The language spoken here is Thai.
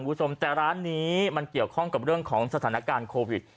คุณผู้ชมแต่ร้านนี้มันเกี่ยวข้องกับเรื่องของสถานการณ์โควิด